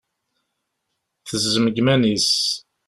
Tezzem deg yiman-is.